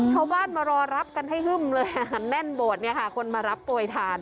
เข้าบ้านมารอรับกันให้ฮึ่มเลยค่ะแน่นโบสถ์นี่ค่ะคนมารับโปรยธาน